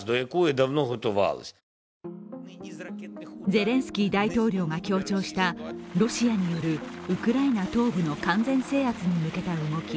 ゼレンスキー大統領が強調したロシアによるウクライナ東部の完全制圧に向けた動き